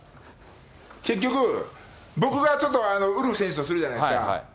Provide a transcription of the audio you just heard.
結局、僕がちょっとウルフ選手だとするじゃないですか。